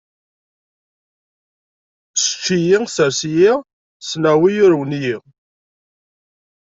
Sečč-iyi, sers-iyi, ssneɣ wi urwen-iyi.